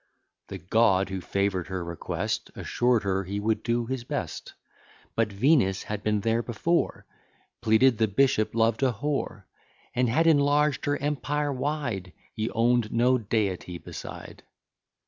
The god, who favour'd her request, Assured her he would do his best: But Venus had been there before, Pleaded the bishop loved a whore, And had enlarged her empire wide; He own'd no deity beside.